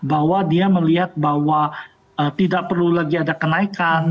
bahwa dia melihat bahwa tidak perlu lagi ada kenaikan